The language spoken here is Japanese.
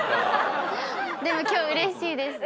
でも今日うれしいです。